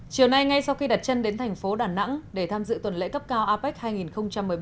chiều nay ngay sau khi đặt chân đến thành phố đà nẵng để tham dự tuần lễ cấp cao apec hai nghìn một mươi bảy